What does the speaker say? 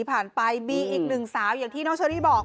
ไปมีอีกหนึ่งสาวอย่างที่น้องเชอรี่บอก